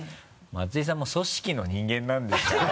松井さんも組織の人間なんですから。